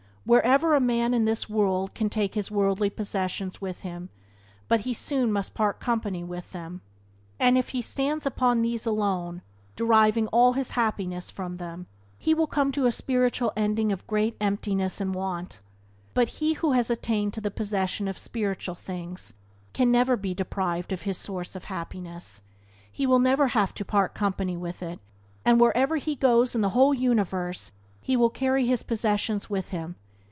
Wherever a man goes in this world he can take his worldly possessions with him; but soon he must part company with them, and if he stands upon these alone, deriving all his happiness from them, he will come to a spiritual ending of great emptiness and want. But he has attained to the possession of spiritual things can never be deprived of his source of happiness: he will never have to part company with it, and wherever he goes in the whole universe he will carry his possession with him.